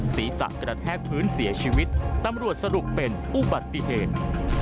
ศีรษะกระแทกพื้นเสียชีวิตตำรวจสรุปเป็นอุบัติเหตุ